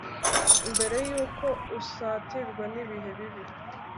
mbere y'uko usatirwa n'ibihe bibi